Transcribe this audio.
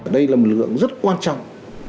đây là một lượng rất quan trọng